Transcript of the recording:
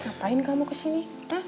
ngapain kamu kesini